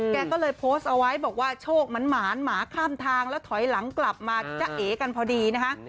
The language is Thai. แกก็เลยโพสต์เอาไว้บอกว่าโชคหมานหมาข้ามทางแล้วถอยหลังกลับมาจะเอกันพอดีนะคะ